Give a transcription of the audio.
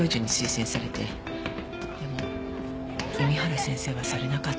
でも弓原先生はされなかった。